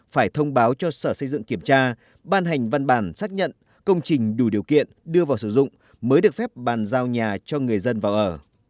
phải thông báo cho sở xây dựng kiểm tra ban hành văn bản xác nhận công trình đủ điều kiện đưa vào sử dụng mới được phép bàn giao nhà cho người dân vào ở